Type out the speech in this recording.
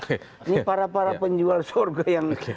ini para para penjual surga yang terlalu murah